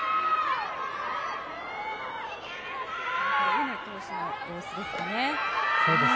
上野投手の様子でしたね。